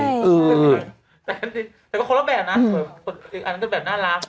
แต่ก็คนละแบบนะอันนั้นก็แบบน่ารัก